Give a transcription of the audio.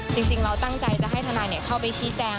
จริงเราตั้งใจจะให้ทนายเข้าไปชี้แจง